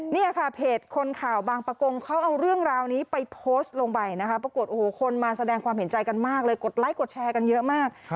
เนี่ยค่ะเพจคนข่าวบางประกงเขาเอาเรื่องราวนี้ไปโพสต์ลงไปนะคะปรากฏโอ้โหคนมาแสดงความเห็นใจกันมากเลยกดไลค์กดแชร์กันเยอะมาก